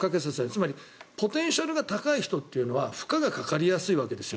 つまりポテンシャルが高い人は負荷がかかりやすいわけです。